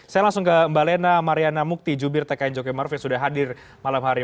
saya langsung ke mbak lena mariana mukti jubir tkn jokowi maruf yang sudah hadir malam hari ini